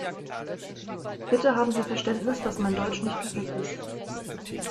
Bitte haben Sie Verständnis, dass mein Deutsch nicht perfekt ist.